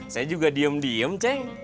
saya juga diem diem ceng